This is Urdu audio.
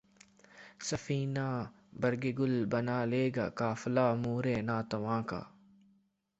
سفینۂ برگ گل بنا لے گا قافلہ مور ناتواں کا